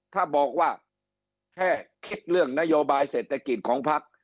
ถ้าบอกว่าแค่คิดเรื่องนโยบายเศรษฐกิจของพัก